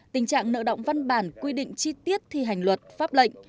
tình trạng nợ động văn bản quy định chi tiết thi hành luật pháp lệnh